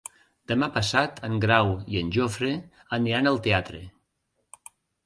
Demà passat en Grau i en Jofre aniran al teatre.